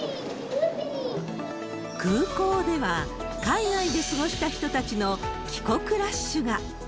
空港では、海外で過ごした人たちの帰国ラッシュが。